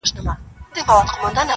زه و خدای چي زړه و تن مي ټول سوځېږي,